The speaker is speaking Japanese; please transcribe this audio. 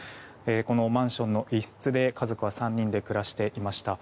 このマンションの一室で家族は３人で暮らしていました。